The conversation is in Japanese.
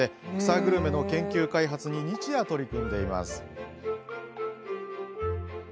グルメの研究開発に日夜、取り組んでいます。